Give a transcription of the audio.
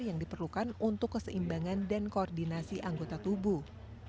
yang diperlukan untuk keseimbangan dan koordinasi anggota tubuh